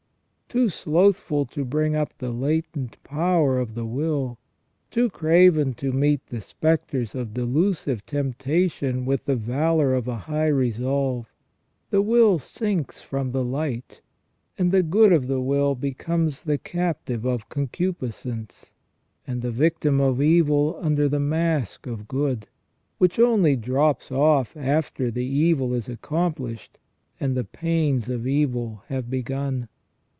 Too slothful to bring up the latent power of the will, too craven to meet the spectres of delusive temptation with the valour of a high resolve, the will sinks from the light, and the good of the will becomes the captive of concupiscence, and the victim of evil under the mask of good, which only drops off after the evil is accomplished and the pains of evil have begun.